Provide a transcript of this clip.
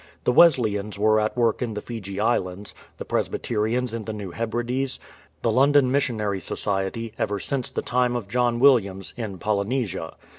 The Wesleyans were at work in the Fiji Islands, the Presbyterians in the New Hebrides, the London Missionary Society, ever since the time of John Williams, in Polynesia.